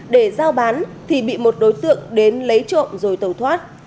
để giao bán thì bị một đối tượng đến lấy trộm rồi tàu thoát